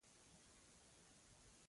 مېز د کور مرکز ګڼل کېږي.